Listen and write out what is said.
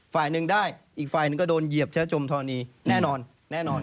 ฝ่ายหนึ่งได้อีกฝ่ายหนึ่งก็โดนเหยียบเชื้อจมธรณีแน่นอนแน่นอน